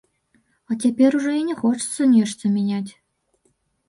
А цяпер ужо і не хочацца нешта мяняць.